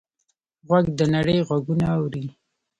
غوږ د نړۍ غږونه اوري.